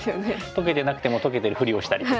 解けてなくても解けてるふりをしたりとか。